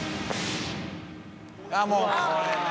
あっもうこれね！